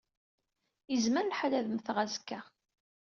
Yezmer lḥal ad mmteɣ azekka.